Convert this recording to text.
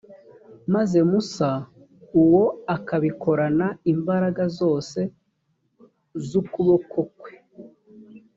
maze musa uwo akabikorana imbaraga zose z’ukuboko kwe,